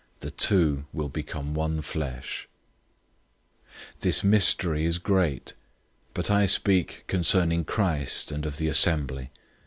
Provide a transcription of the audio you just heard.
The two will become one flesh."{Genesis 2:24} 005:032 This mystery is great, but I speak concerning Christ and of the assembly.